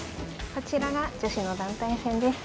こちらが女子の団体戦です。